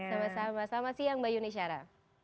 sama sama selamat siang mbak yuni syara